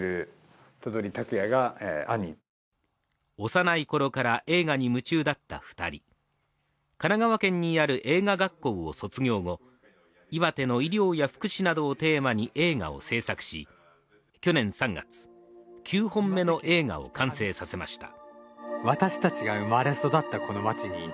幼い頃から映画に夢中だった２人神奈川県にある映画学校を卒業後、岩手の医療や福祉などをテーマに映画を製作し去年３月、９本目の映画を完成させました。